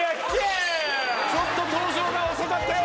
ちょっと登場が遅かったようです！